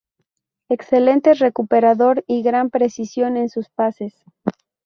Excelente recuperador y gran precisión en sus pases.